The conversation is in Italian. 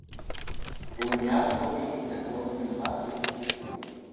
Ogni atto inizia con un filmato introduttivo.